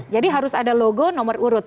jadi harus ada logo nomor urut